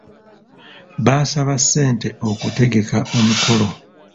Baasaba ssente okutegeka omukolo.